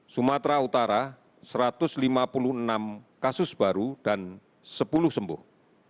sumatera utara satu ratus lima puluh enam kasus baru dan sepuluh sembuh